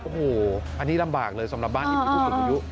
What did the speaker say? โอ้โหอันนี้ลำบากเลยสำหรับบ้านอีก๒๐อายุ